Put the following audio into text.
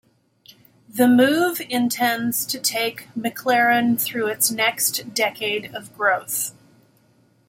The move intends to take McLaren through its next decade of growth.